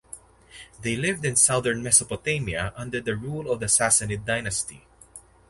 They lived in southern Mesopotamia under the rule of the Sassanid dynasty.